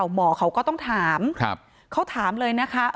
หมอเขาก็ต้องถามเขาถามเลยนะคะ